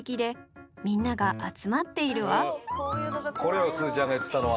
ちょうどこれよすずちゃんが言ってたのは。